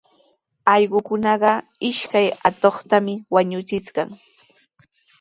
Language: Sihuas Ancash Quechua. Allquukunaqa ishkay atuqtami wañuchishqa.